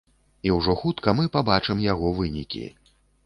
І ўжо хутка мы пабачым яго вынікі.